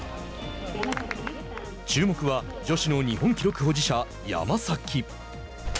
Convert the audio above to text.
注目は女子の日本記録保持者山崎。